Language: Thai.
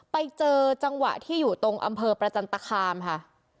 ไปเจอจังหวะที่อยู่ตรงอำเภอประจันตคามค่ะ